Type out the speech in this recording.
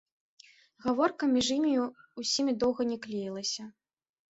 Гаворка між імі ўсімі доўга не клеілася.